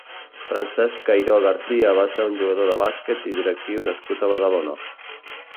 Francesc Cairó García va ser un jugador de bàsquet i directiu nascut a Badalona.